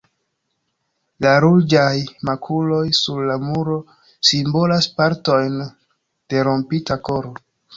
La ruĝaj makuloj sur la muro simbolas partojn de rompita koro.